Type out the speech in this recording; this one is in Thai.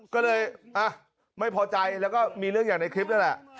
ก็เลยไม่พอใจแล้วก็มีเรื่องอย่างในคลิปนั่นแหละ